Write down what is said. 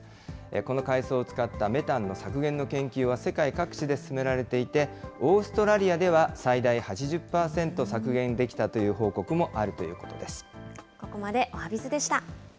この海藻を使ったメタンの削減の研究は世界各地で進められていて、オーストラリアでは最大８０％削減できたという報告もあるということです。